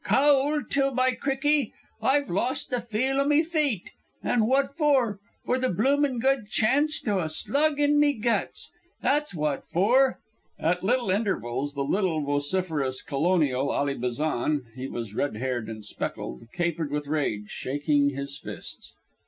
Caold till, by cricky! I've lost the feel o' mee feet. An' wat for? For the bloomin' good chanst o' a slug in mee guts. That's wat for." At little intervals the little vociferous colonial, Ally Bazan he was red haired and speckled capered with rage, shaking his fists.